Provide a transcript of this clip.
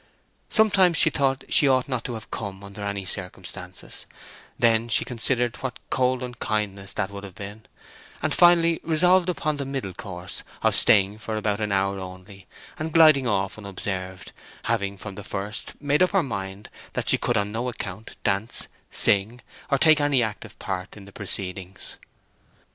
Sometimes she thought she ought not to have come under any circumstances; then she considered what cold unkindness that would have been, and finally resolved upon the middle course of staying for about an hour only, and gliding off unobserved, having from the first made up her mind that she could on no account dance, sing, or take any active part in the proceedings.